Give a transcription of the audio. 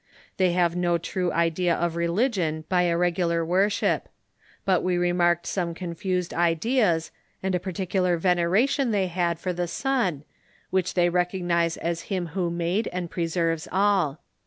They have no true idea of religion by a regular ^^rship ; but we remarked some confused ideas, and a particular veneration they had for the sun, which they recognise as him who made and preserves all.